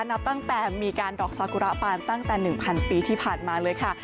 นับตั้งแต่มีการดอกซากุระปานตั้งแต่๑๐๐ปีที่ผ่านมาเลยค่ะ